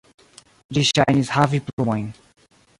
Ĝi ŝajnis havi plumojn.